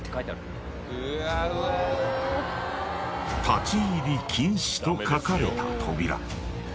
［「立入禁止」と書かれた扉］